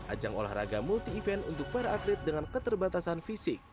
ajang olahraga multi event untuk para atlet dengan keterbatasan fisik